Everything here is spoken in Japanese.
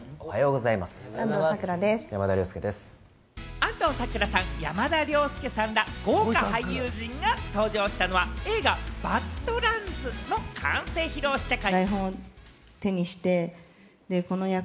安藤サクラさん、山田涼介さんら豪華俳優陣が登場したのは、映画『ＢＡＤＬＡＮＤＳバッド・ランズ』の完成披露試写会。